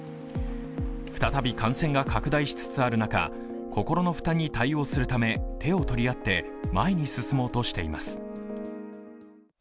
再び感染が拡大しつつある中、心の負担に対応するため手を取り合って前に進もうとしています。